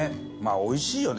おいしいよね。